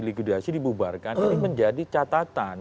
likuidasi dibubarkan menjadi catatan